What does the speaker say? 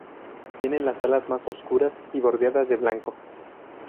Tiene las alas más oscuras y bordeadas de blanco.